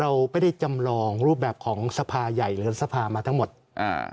เราไม่ได้จำลองรูปแบบของสภาใหญ่หรือสภามาทั้งหมดอ่า